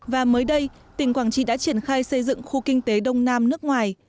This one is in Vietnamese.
và mới đây tỉnh quảng trị đã triển khai xây dựng khu kinh tế đông nam nước ngoài